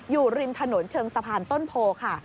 อยู่ริมถนนเชิงสะพานต้นโพค่ะ